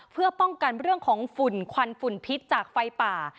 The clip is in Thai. เพื่อป้องกันเรื่องของฝุ่นควันฝุ่นพิษจากไฟป่า